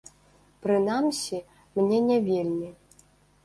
Прынамсі, мне не вельмі.